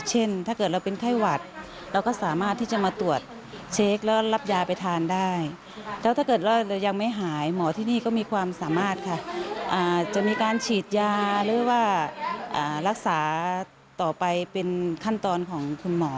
หรือว่ารักษาต่อไปเป็นขั้นตอนของคุณหมอ